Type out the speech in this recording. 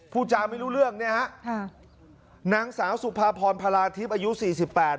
พูดจาไม่รู้เรื่องเนี่ยฮะค่ะนางสาวสุภาพรพลาทิพย์อายุสี่สิบแปด